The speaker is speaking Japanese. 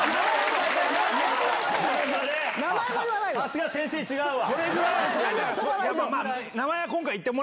さすが先生、違うわ。